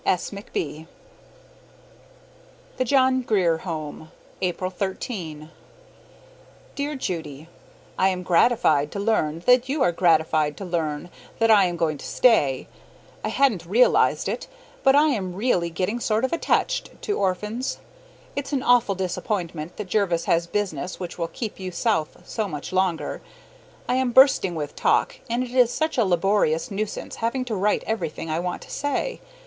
S. McB. THE JOHN GRIER HOME, April 13. Dear Judy: I am gratified to learn that you were gratified to learn that I am going to stay. I hadn't realized it, but I am really getting sort of attached to orphans. It's an awful disappointment that Jervis has business which will keep you South so much longer. I am bursting with talk, and it is such a laborious nuisance having to write everything I want to say.